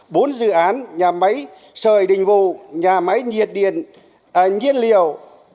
bốn dự án nhà máy sời đình vụ nhà máy nhiệt liều